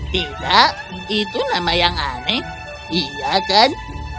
tidak itu nama yang aneh iya kan